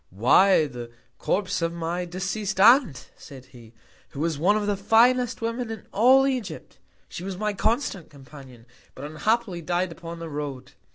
Why, the Corpse of my deceased Aunt, said he, who was one of the finest Women in all Egypt. She was my constant Companion; but unhappily died upon the Road.